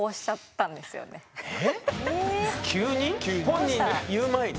本人に言う前に？